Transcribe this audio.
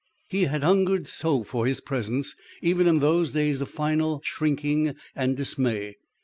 He had hungered so for his presence even in those days of final shrinking and dismay.